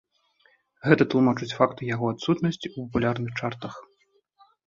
Гэта тлумачыць факт яго адсутнасці ў папулярных чартах.